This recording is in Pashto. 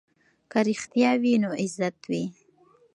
که رښتیا وي نو عزت وي.